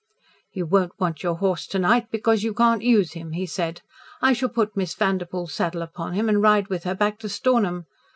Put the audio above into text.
"You won't want your horse to night, because you can't use him," he said. "I shall put Miss Vanderpoel's saddle upon him and ride with her back to Stornham.